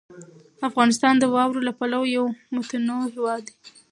افغانستان د واورو له پلوه یو متنوع هېواد دی.